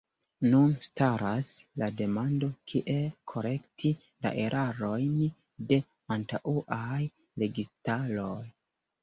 Nun staras la demando kiel korekti la erarojn de antaŭaj registaroj.